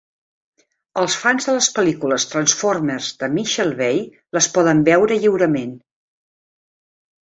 Els fans de les pel·lícules Transformers de Michael Bay les poden veure lliurement.